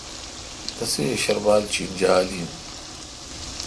تسے شربال چینجال این۔